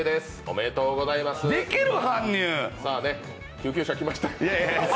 救急車来ました。